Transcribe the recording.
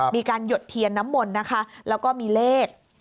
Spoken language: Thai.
มีการหยดเทียนน้ำหม่นนะคะแล้วก็มีเลข